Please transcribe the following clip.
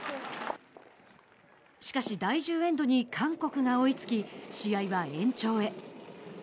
しかし、第１０エンドに韓国が追いつき試合は延長へ。